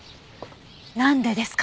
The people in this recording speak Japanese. なんでですか？